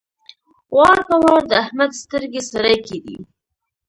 وار په وار د احمد سترګې سرې کېدې.